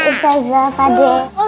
ustazah pak de